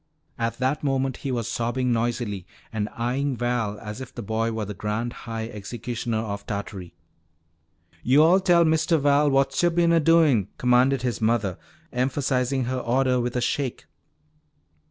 At that moment he was sobbing noisily and eyeing Val as if the boy were the Grand High Executioner of Tartary. "Yo'all tell Mistuh Val whats yo' bin a doin'!" commanded his mother, emphasizing her order with a shake.